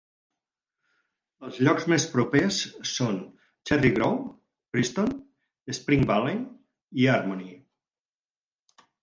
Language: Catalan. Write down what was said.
Els llocs més propers són Cherry Grove, Preston, Spring Valley i Harmony.